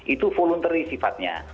itu voluntary sifatnya